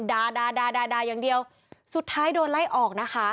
ด่าด่าอย่างเดียวสุดท้ายโดนไล่ออกนะคะ